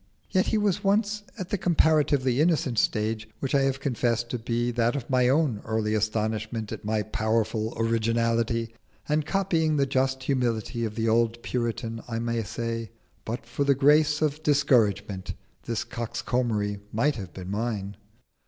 Yet he was once at the comparatively innocent stage which I have confessed to be that of my own early astonishment at my powerful originality; and copying the just humility of the old Puritan, I may say, "But for the grace of discouragement, this coxcombry might have been mine."